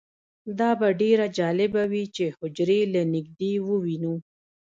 دا به ډیره جالبه وي چې حجرې له نږدې ووینو